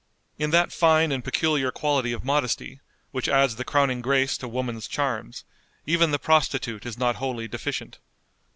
In that fine and peculiar quality of modesty, which adds the crowning grace to woman's charms, even the prostitute is not wholly deficient.